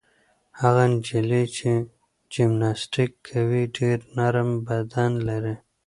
هغه نجلۍ چې جمناسټیک کوي ډېر نرم بدن لري.